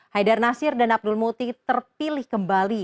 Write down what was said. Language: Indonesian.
haidar nasir dan abdul muti terpilih kembali